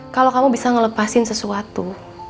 kalau kamu bisa ngelepasin sesuatu